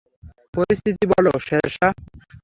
পরিস্থিতি বলো, শেরশাহ।